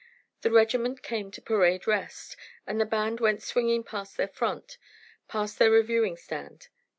The regiment came to parade rest, and the band went swinging past their front, past the reviewing stand.